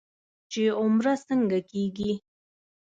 چې عمره څنګه کېږي.